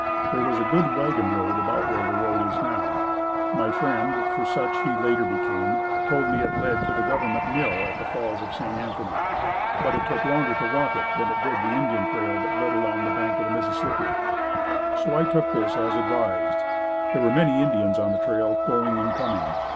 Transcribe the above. There was a good wagon road about where the road is now. My friend, for such he later became, told me it led to the government mill at the Falls of St. Anthony, but that it took longer to walk it than it did the Indian trail that led along the bank of the Mississippi. So I took this as advised. There were many Indians on the trail going and coming.